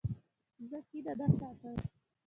زه کینه نه ساتم.